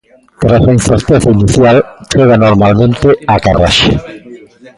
Tras a incerteza inicial, chega normalmente a carraxe.